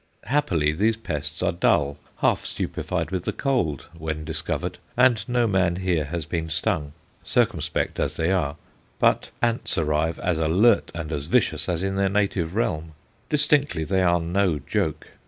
Happily, these pests are dull, half stupefied with the cold, when discovered, and no man here has been stung, circumspect as they are; but ants arrive as alert and as vicious as in their native realm. Distinctly they are no joke.